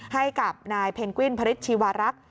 ให้กับนายเพนกวินพริษชีวารักษ์